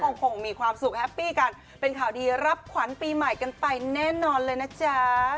คงมีความสุขแฮปปี้กันเป็นข่าวดีรับขวัญปีใหม่กันไปแน่นอนเลยนะจ๊ะ